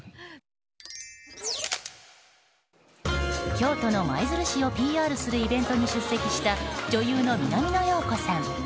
京都の舞鶴市をＰＲするイベントに出席した女優の南野陽子さん。